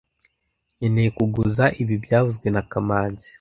Nkeneye kuguza ibi byavuzwe na kamanzi